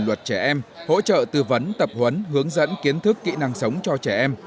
luật trẻ em hỗ trợ tư vấn tập huấn hướng dẫn kiến thức kỹ năng sống cho trẻ em